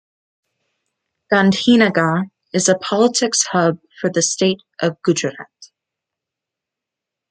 Gandhinagar is a politics hub for the state of Gujarat.